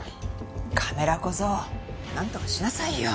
カメラ小僧なんとかしなさいよ！